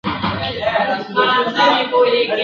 هر مرغه به یې حملې ته آماده سو ..